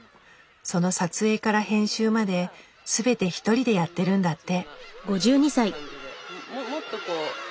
その撮影から編集まですべて一人でやってるんだって。